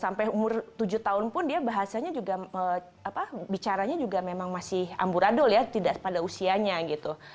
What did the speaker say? sampai umur tujuh tahun pun dia bahasanya juga bicaranya juga memang masih amburadul ya tidak pada usianya gitu